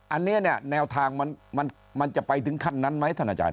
อันนี้เนี่ยแนวทางมันจะไปถึงขั้นนั้นไหมท่านอาจารย